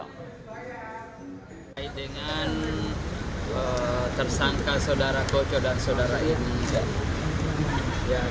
dengan tersangka saudara koco dan saudara eni